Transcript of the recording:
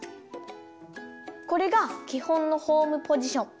これがきほんのホームポジション。